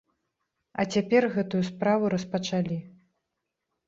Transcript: А цяпер гэтую справу распачалі.